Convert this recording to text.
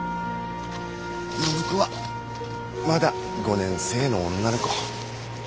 暢子はまだ５年生の女の子。